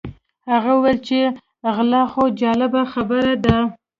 هغه وویل چې غلا خو جالبه خبره ده.